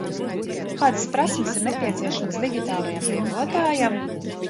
Kādas prasmes ir nepieciešamas digitālajam tirgotājam?